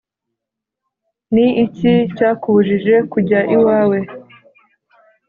Ni iki cyakubujije kujya iwawe?